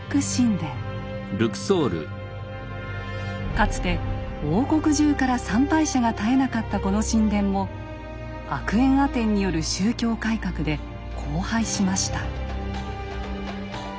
かつて王国中から参拝者が絶えなかったこの神殿もアクエンアテンによる宗教改革で荒廃しました。